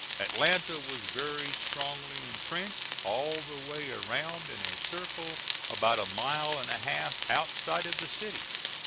Atlanta was very strongly intrenched all the way around in a circle about a mile and a half outside of the city.